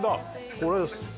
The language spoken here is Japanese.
これです。